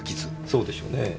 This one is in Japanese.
そうでしょうねぇ。